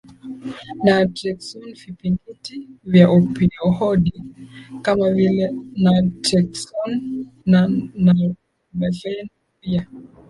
naltreksoniVipingiti vya opioidi kama vile naltreksoni na nalmefeni pia